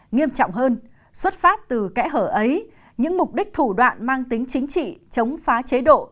nghiêm trọng hơn xuất phát từ kẽ hở ấy những mục đích thủ đoạn mang tính chính trị chống phá chế độ